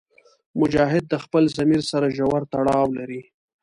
مجاهد د خپل ضمیر سره ژور تړاو لري.